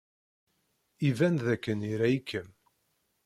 Iban dakken ira-ikem.